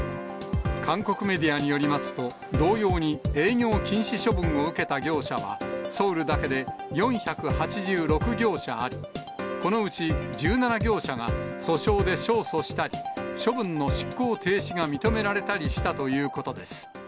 韓国メディアによりますと、同様に営業禁止処分を受けた業者は、ソウルだけで４８６業者あり、このうち１７業者が、訴訟で勝訴したり、処分の執行停止が認められたりしたということです。